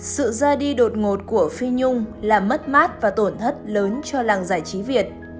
sự ra đi đột ngột của phi nhung làm mất mát và tổn thất lớn cho làng giải trí việt